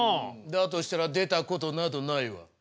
だとしたら出たことなどないわ！